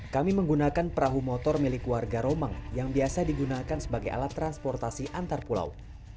kami menggunakan perahu motor milik warga romang yang biasa digunakan sebagai alat transportasi antar pulau